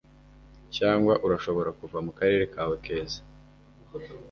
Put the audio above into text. cyangwa urashobora kuva mukarere kawe keza